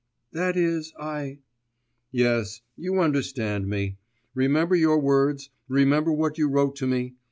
'That is, I ' 'Yes, you understand me. Remember your words, remember what you wrote to me.